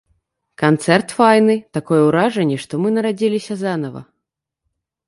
Канцэрт файны, такое ўражанне, што мы нарадзіліся занава!